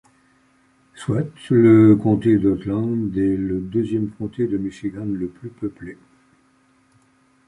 Soit, le comté d'Oakland est le deuxième comté de Michigan le plus peuplé.